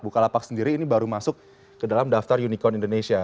bukalapak sendiri ini baru masuk ke dalam daftar unicorn indonesia